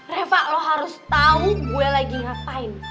reva lo harus tau gue lagi ngapain